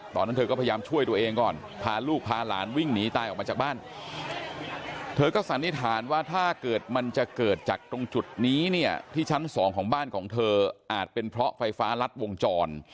ตอนนั้นเธอก็พยายามช่วยตัวเองก่อนพาลูกพาหลานวิ่งหนีตายออกมาจากบ้านเธอก็สันนิษฐานว่าถ้าเกิดมันจะเกิดจากตรงจุดนี้เนี่ยที่ชั้นสองของบ้านของเธออาจเป็นเพราะไฟฟ้ารัดวงจร